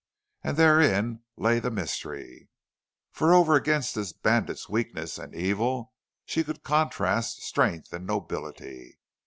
And therein lay the mystery. For over against this bandit's weakness and evil she could contrast strength and nobility.